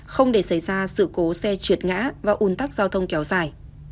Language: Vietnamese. không để xảy ra sự cố xe trượt ngã và ủn tắc giao thông kéo dài